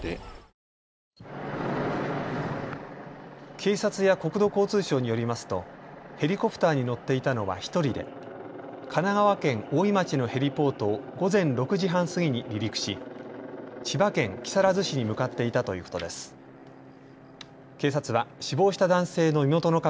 警察や国土交通省によりますとヘリコプターに乗っていたのは１人で神奈川県大井町のヘリポートを午前６時半過ぎに離陸し千葉県木更津市に向かっていたということです。